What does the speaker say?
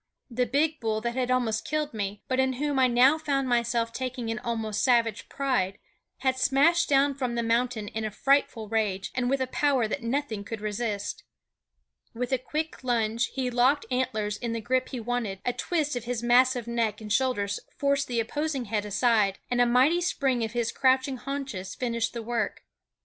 The big bull that had almost killed me, but in whom I now found myself taking an almost savage pride, had smashed down from the mountain in a frightful rage, and with a power that nothing could resist. With a quick lunge he locked antlers in the grip he wanted; a twist of his massive neck and shoulders forced the opposing head aside, and a mighty spring of his crouching haunches finished the work.